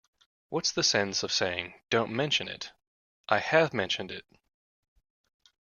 What's the sense of saying, 'Don't mention it'? I have mentioned it.